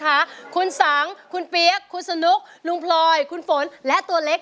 ด้านล่างเขาก็มีความรักให้กันนั่งหน้าตาชื่นบานมากเลยนะคะ